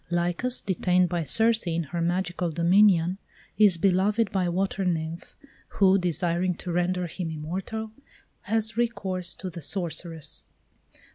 Lycus, detained by Circe in her magical dominion, is beloved by a Water Nymph, who, desiring to render him immortal, has recourse to the Sorceress.